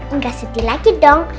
enggak sedih lagi dong